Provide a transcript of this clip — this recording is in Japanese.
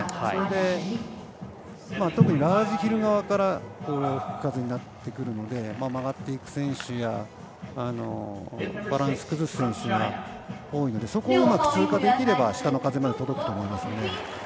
それで、特にラージヒル側から吹く風になっていくので曲がっていく選手やバランス崩す選手も多いのでそこをうまく通過できれば下の風まで届くと思いますね。